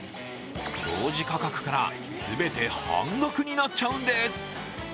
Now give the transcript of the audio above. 表示価格から全て半額になっちゃうんです。